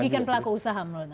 bukan pelaku usaha menurut anda